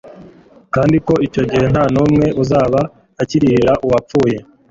kandi ko icyo gihe nta n'umwe uzaba akiririra uwapfuye.